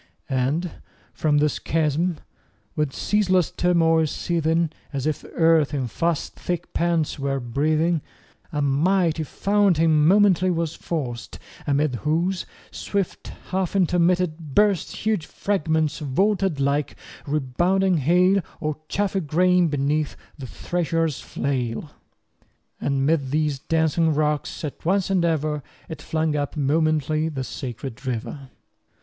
And from this chasm, with ceaseless turmoil seething, As if this earth in fast thick pants were breathing, A mighty fountain momently was forced; Amid whose swift half intermitted burst 20 Huge fragments vaulted like rebounding hail, Or chaffy grain beneath the thresher's flail: And 'mid these dancing rocks at once and ever It flung up momently the sacred river.